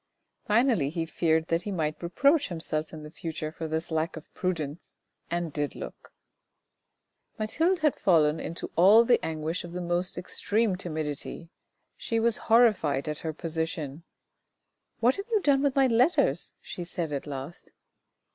Finally he feared that he might reproach himself in the future for this lack of prudence, and did look. 348 THE RED AND THE BLACK Mathilde had fallen into all the anguish of the most extreme timidity. She was horrified at her position. " What have you done with my letters ?" she said at last.